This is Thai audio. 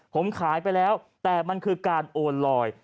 ผมขายไปแล้วแต่มันคือการโอนลอย